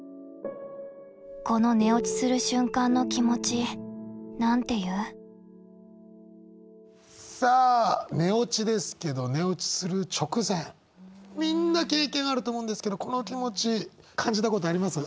この寝落ちする瞬間のさあ寝落ちですけど寝落ちする直前みんな経験あると思うんですけどこの気持ち感じたことあります？